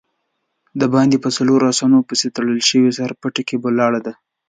د باندی په څلورو آسونو پسې تړل شوې سر پټې بګۍ ولاړه وه.